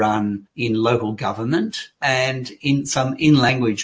untuk orang orang yang berpengaruh